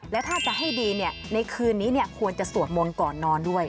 แล้วถ้าจะให้ดีในคืนนี้ควรจะสวดมนต์ก่อนนอนด้วย